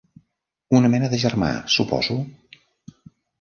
Una mena de germà, suposo?